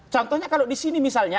contohnya kalau di sini misalnya